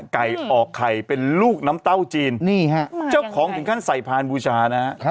ไก่ออกไข่เป็นลูกน้ำเต้าจีนนี่ฮะเจ้าของถึงขั้นใส่พานบูชานะฮะ